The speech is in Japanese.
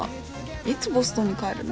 いつボストンに帰るの？